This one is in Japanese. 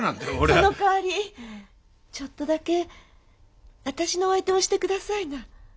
そのかわりちょっとだけ私のお相手をして下さいな。